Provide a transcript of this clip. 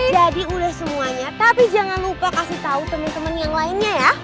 jadi udah semuanya tapi jangan lupa kasih tau temen temen yang lainnya ya